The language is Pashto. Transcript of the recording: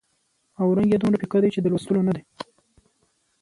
او رنګ یې دومره پیکه دی چې د لوستلو نه دی.